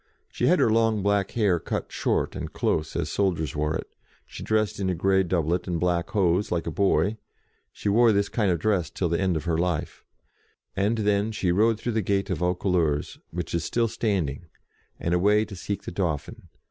She had her long black hair cut short and close, as soldiers wore it ; she dressed in a grey doublet and black hose, like a boy (she wore this kind of dress till the end of her life) ; and then she rode through the gate of Vaucouleurs, which is still standing, and away to seek the Dauphin.